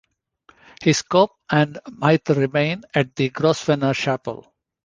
His cope and mitre remain at the Grosvenor Chapel.